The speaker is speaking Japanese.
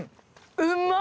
うまっ！